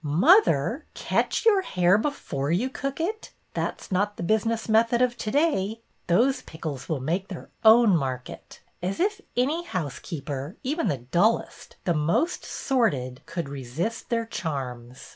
Mother ! Catch your hare before you cook it ? That 's not the business method of to day. Those pickles will make their own market. As if any housekeeper, even the dullest, the most sordid, could resist their charms!